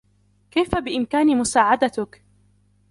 كيف بإمكاني مساعدتك ؟